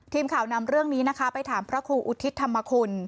ทีมข่าวนำเรื่องนี้นะคะไปถามพระครูอุทิศธรรมคุณ